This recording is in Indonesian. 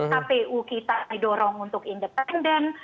kpu kita didorong untuk independen